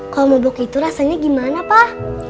kalau modok itu rasanya gimana pak